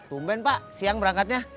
bumben pak siang berangkatnya